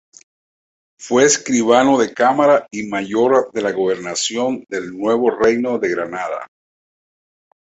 Fue Escribano de Cámara y Mayor de la Gobernación del Nuevo Reino de Granada.